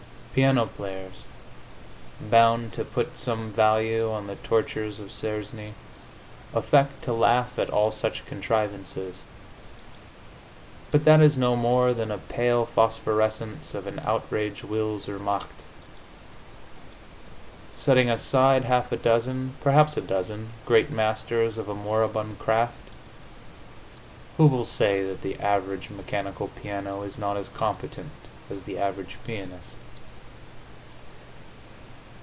Piano players, bound to put some value on the tortures of Czerny, affect to laugh at all such contrivances, but that is no more than a pale phosphorescence of an outraged wille zur macht. Setting aside half a dozen perhaps a dozen great masters of a moribund craft, who will say that the average mechanical piano is not as competent as the average pianist?